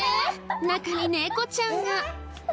中に猫ちゃんが！？